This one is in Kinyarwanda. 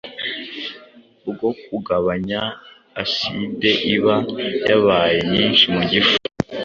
bwo kugabanya aside iba yabaye nyinshi mu gifu,